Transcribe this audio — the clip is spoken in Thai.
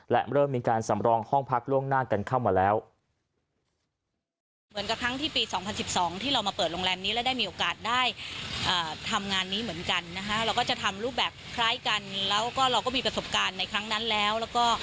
และเริ่มมีการสำรองห้องพักล่วงหน้ากันเข้ามาแล้ว